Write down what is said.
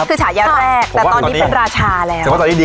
แต่ตอนนี้เป็นราชาละ